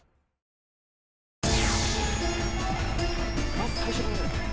まず最初が。